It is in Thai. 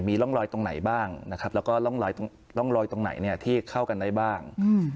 มีร่องรอยตรงไหนบ้างนะครับแล้วก็ร่องรอยตรงไหนที่เข้ากันได้บ้าง